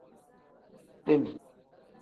Kpem.